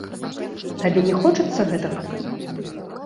Табе не хочацца гэтага?